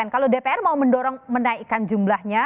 kalau dpr mau mendorong menaikkan jumlahnya